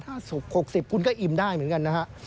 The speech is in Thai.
๖๐บาทคุณก็อิ่มได้เหมือนกันนะครับ